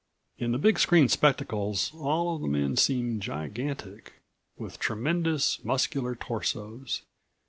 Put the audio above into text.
In the big screen spectacles all of the men seem gigantic, with tremendous, muscular torsos.